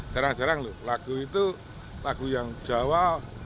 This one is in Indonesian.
jarang jarang loh lagu itu lagu yang jawa